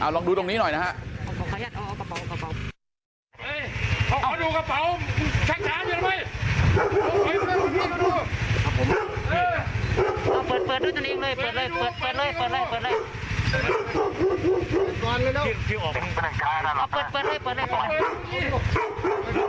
เอาลองดูตรงนี้หน่อยนะฮะขยัดเอาเอากระเป๋าเอากระเป๋า